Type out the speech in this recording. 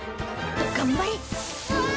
頑張れ！